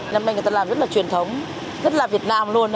năm nay người ta làm rất là truyền thống rất là việt nam luôn